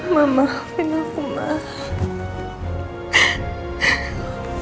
mama tau aku cinta banget sama nino